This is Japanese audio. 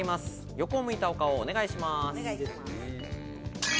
横を向いたお顔をお願いします。